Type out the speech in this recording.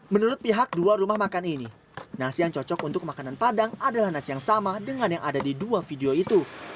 menurut pihak dua rumah makan ini nasi yang cocok untuk makanan padang adalah nasi yang sama dengan yang ada di dua video itu